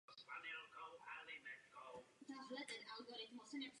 Bohoslužby se konají v ekumenické kapli v areálu nemocnice.